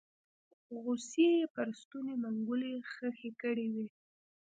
غصې يې پر ستوني منګولې خښې کړې وې